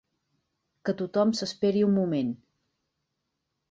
Que tothom s'esperi un moment.